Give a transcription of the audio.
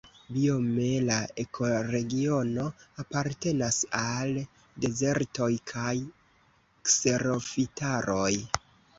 Biome la ekoregiono apartenas al dezertoj kaj kserofitaroj.